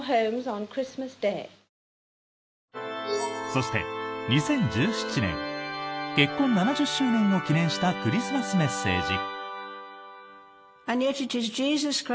そして、２０１７年結婚７０周年を記念したクリスマスメッセージ。